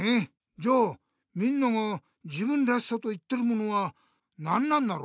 じゃあみんなが「自分らしさ」と言ってるものは何なんだろう？